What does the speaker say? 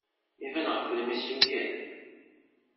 Iban ɣef wudem-is yugad.